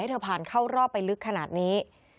เธอผ่านเข้ารอบไปลึกขนาดนี้